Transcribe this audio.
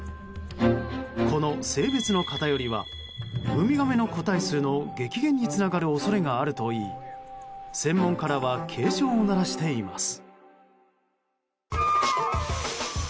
この性別の偏りはウミガメの個体数の激減につながる恐れがあるといい専門家らは警鐘を鳴らしています。